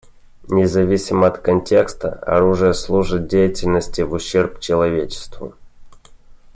Независимо от контекста, оружие служит деятельности в ущерб человечеству.